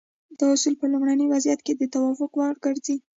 دا اصول په لومړني وضعیت کې د توافق وړ ګرځي.